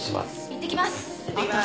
いってきます。